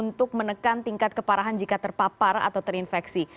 untuk menekan tingkat keparahan jika terpapar atau terinfeksi